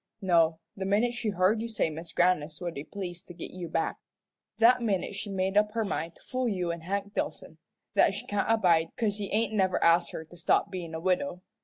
No the minute she heard you say Mis' Grannis would be pleased to git you back, that minute she made up her mind to fool you and Hank Dillson that she can't abide 'cause he ain't never asked her to stop bein' a widow.